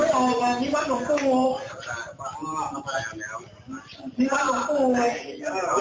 เอ้าเอาสิครับผมไม่ซู่หรอกผมไม่ซู่หลงพ่อแต่